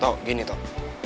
tuh loh gini tuh